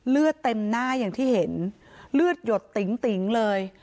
เลือดเต็มหน้าอย่างที่เห็นเลือดหยดติ๋งติ๋งเลย